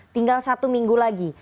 tinggal satu minggu lagi